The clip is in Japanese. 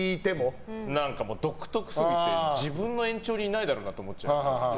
独特すぎて自分の延長にいないだろうなと思っちゃう。